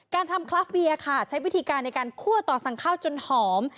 การทำคลาฟเวียค่ะใช้วิธีการในการคั่วต่อสั่งข้าวจนหอม